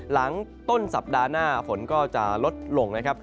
หลังต้นสัปดาห์หน้าฝนก็จะลดลงนะครับ